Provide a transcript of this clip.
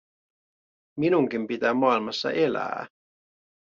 Minunkin pitää maailmassa elää.